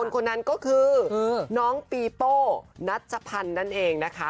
คนนั้นก็คือน้องปีโป้นัชพันธ์นั่นเองนะคะ